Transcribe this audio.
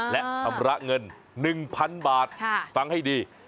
และชำระเงิน๑๐๐๐บาทฟังให้ดี